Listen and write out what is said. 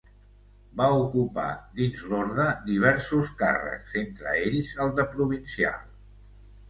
Va ocupar dins l'orde diversos càrrecs, entre ells el de Provincial.